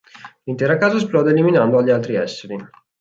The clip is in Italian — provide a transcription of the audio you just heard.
L'intera casa esplode eliminando gli altri esseri.